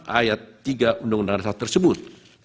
ayat tiga undang undang dasar tersebut